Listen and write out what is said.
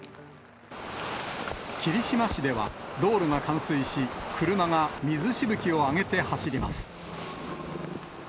霧島市では道路が冠水し、車が水しぶきを上げて走ります。